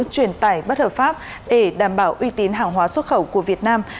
truyền tải bất hợp pháp để đảm bảo uy tín hàng hóa xuất khẩu của việt nam